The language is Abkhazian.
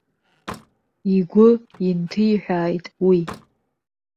Игәы инҭиҳәааит уи.